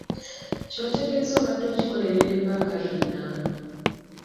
Ky'otegeeza obadde okikolerera ebbanga lyonna?